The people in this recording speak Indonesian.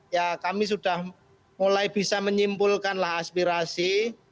ya kami sudah mulai bisa menyimpulkanlah aspirasi